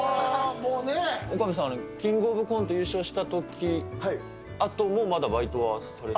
岡部さん、キングオブコント優勝したとき、あともまだバイトはされて？